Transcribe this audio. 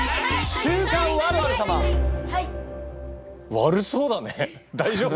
悪そうだね大丈夫？